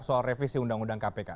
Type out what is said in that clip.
soal revisi undang undang kpk